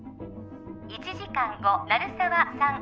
１時間後鳴沢さん